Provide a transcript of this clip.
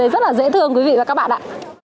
rất là dễ thương quý vị và các bạn